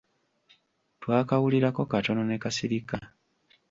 Twakawulirako katono ne kasirika.